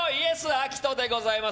アキトでございます。